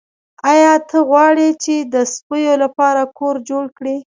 ایا ته غواړې چې د سپیو لپاره کور جوړ کړې